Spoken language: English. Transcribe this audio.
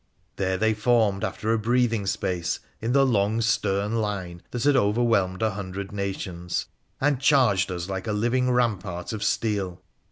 There they formed, after a breathing space, in the long, stern line that had overwhelmed a hundred nations, and charged us like a living rampart of steel.